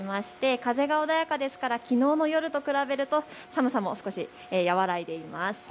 風が穏やかですからきのうの夜と比べると寒さも少し和らいでいます。